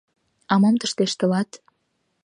— А мом тыште ыштылат?